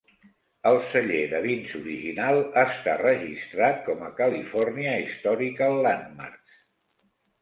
El celler de vins original està registrat com a "California Historical Landmarks".